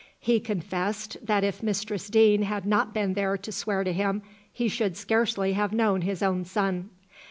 He confessed that if Mistress Deane had not been there to swear to him he should scarcely have known his own son.